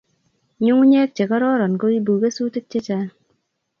nyungunye che kororon ko ibu kesutik che chang